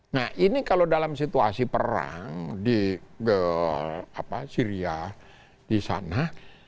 nah ini kalau dalam situasi perang di syria di sana